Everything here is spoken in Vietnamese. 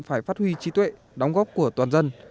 phải phát huy trí tuệ đóng góp của toàn dân